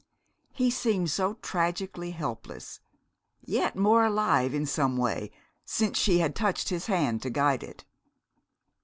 He seemed so tragically helpless, yet more alive, in some way, since she had touched his hand to guide it.